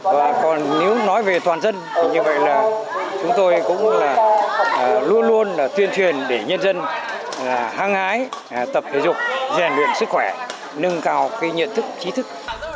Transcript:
và còn nếu nói về toàn dân thì như vậy là chúng tôi cũng là luôn luôn là tuyên truyền để nhân dân hăng hái tập thể dục rèn luyện sức khỏe nâng cao cái nhận thức trí thức